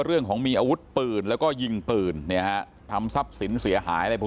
เรื่องของมีอาวุธปืนแล้วก็ยิงปืนเนี่ยฮะทำทรัพย์สินเสียหายอะไรพวก